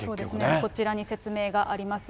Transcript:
こちらに説明があります。